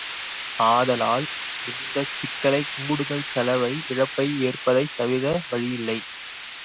ஆதலால் இந்தச் சிக்கலை கூடுதல் செலவை இழப்பை ஏற்பதைத் தவிர வழியில்லை.